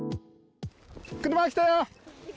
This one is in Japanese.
車来たよ！